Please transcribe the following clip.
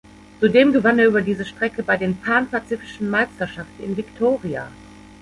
Zudem gewann er über diese Strecke bei den Pan-Pazifischen Meisterschaften in Victoria.